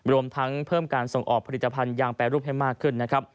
รวมทั้งเพิ่มการส่งออกผลิตภัณฑ์ยางแปรรูปให้มากขึ้นนะครับ